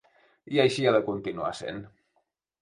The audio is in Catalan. I així ha de continuar sent.